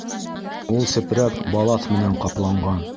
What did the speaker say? Ул сепрәк балаҫ менән ҡапланған.